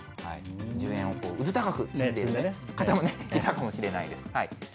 十円をうずたかく積んでいる方もいたかもしれないですね。